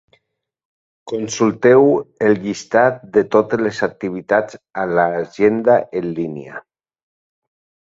Consulteu el llistat de totes les activitats a l'agenda en línia.